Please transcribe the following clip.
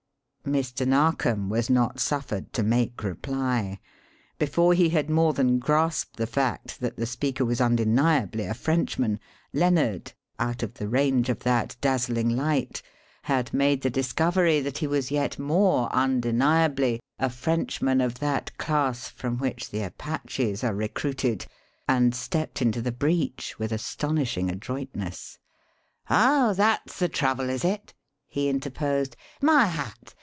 Mr. Narkom was not suffered to make reply. Before he had more than grasped the fact that the speaker was undeniably a Frenchman, Lennard out of the range of that dazzling light had made the discovery that he was yet more undeniably a Frenchman of that class from which the Apaches are recruited, and stepped into the breach with astonishing adroitness. "Oh, that's the trouble, is it?" he interposed. "My hat!